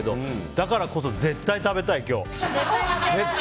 だからこそ絶対食べたい、今日。